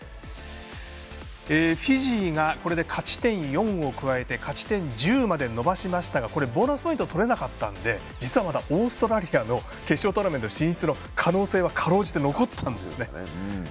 フィジーがこれで勝ち点４を加えて勝ち点１０まで伸ばしましたがボーナスポイントが取れなかったので実はまだオーストラリアの決勝トーナメント進出の可能性はかろうじて残ったんですね。